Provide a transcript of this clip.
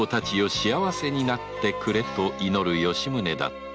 幸せになってくれと祈る吉宗だった